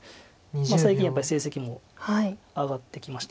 最近やっぱり成績も上がってきました。